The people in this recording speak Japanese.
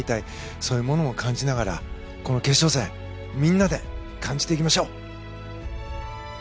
そういうものを感じながら決勝戦、みんなで感じていきましょう。